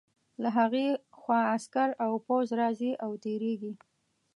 له هغې خوا عسکر او پوځ راځي او تېرېږي.